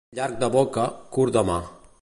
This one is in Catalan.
Llarg de boca, curt de mà.